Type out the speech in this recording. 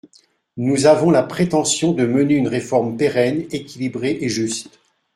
Nous avons la prétention de mener une réforme pérenne, équilibrée et juste.